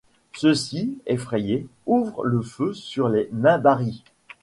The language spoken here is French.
Ceux-ci, effrayés, ouvrent le feu sur les Minbaris.